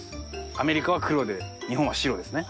アメリカは黒で日本は白ですね。